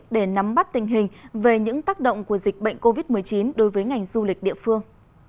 để nắm bắt tình hình về những tác động của dịch bệnh covid một mươi chín đối với ngành du lịch địa phương